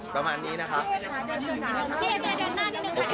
ประมาณนี้นะคะโอเค